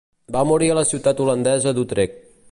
Va morir a la ciutat holandesa d'Utrecht.